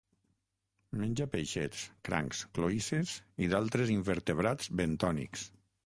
Menja peixets, crancs, cloïsses i d'altres invertebrats bentònics.